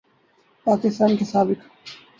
پاکستان کے سابق